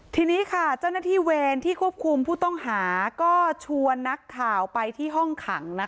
ทีนี้ค่ะเจ้าหน้าที่เวรที่ควบคุมผู้ต้องหาก็ชวนนักข่าวไปที่ห้องขัง